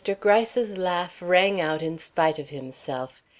Gryce's laugh rang out in spite of himself.